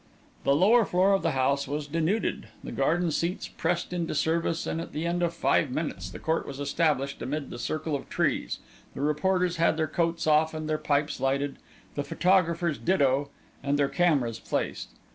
The lower floor of the house was denuded, the garden seats pressed into service, and at the end of five minutes, the court was established amid the circle of trees, the reporters had their coats off and their pipes lighted, the photographers ditto and their cameras placed.